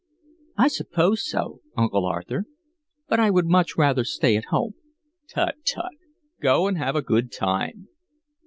"I suppose so, Uncle Arthur; but I would much rather stay at home." "Tut, tut! Go and have a good time."